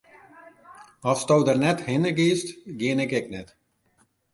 Asto der net hinne giest, gean ik ek net.